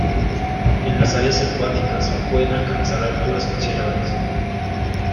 En las áreas selváticas pueden alcanzar alturas considerables.